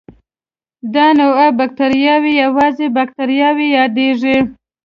دا نوعه بکټریاوې هوازی باکتریاوې یادیږي.